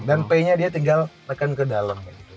dan p nya dia tinggal tekan ke dalem gitu